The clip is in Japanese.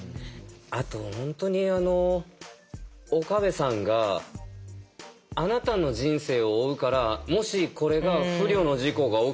あと本当にあの岡部さんが「あなたの人生を負うからもしこれが不慮の事故が起きたとしたら」。